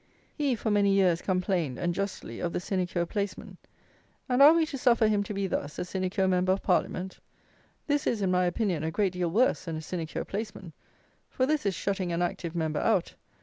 He, for many years, complained, and justly, of the sinecure placemen; and, are we to suffer him to be, thus, a sinecure Member of Parliament! This is, in my opinion, a great deal worse than a sinecure placeman; for this is shutting an active Member out.